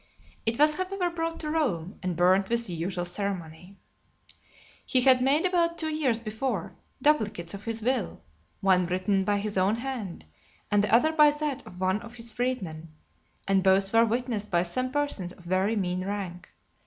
It was, however, brought to Rome, and burnt with the usual ceremony. LXXVI. He had made about two years before, duplicates of his will, one written by his own hand, and the other by that of one of his freedmen; and both were witnessed by some persons of very mean rank.